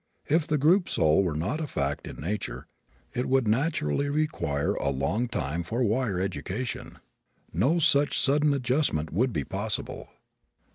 If the group soul were not a fact in nature it would naturally require a long time for wire education. No such sudden adjustment would be possible.